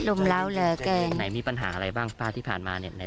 มเล้าเหลือเกินไหนมีปัญหาอะไรบ้างป้าที่ผ่านมาเนี่ยไหน